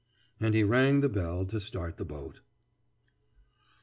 And he rang the bell to start the boat.